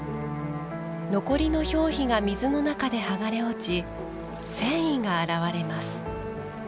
残りの表皮が水の中で剥がれ落ち、繊維が現れます。